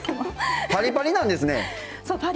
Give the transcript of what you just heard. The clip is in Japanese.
パリパリなんですね！